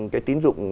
cái tín dụng